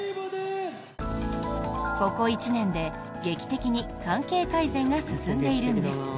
ここ１年で、劇的に関係改善が進んでいるんです。